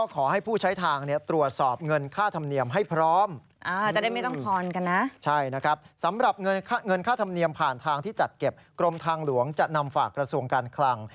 สำหรับเงินค่าธรรมเนียมผ่านทางที่จัดเก็บกรมทางหลวงจะนำฝากกระทรวงการคลัง